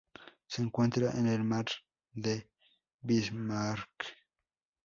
Se encuentra en el Mar de Bismarck.